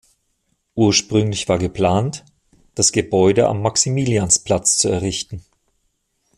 Ursprünglich war geplant, das Gebäude am Maximiliansplatz zu errichten.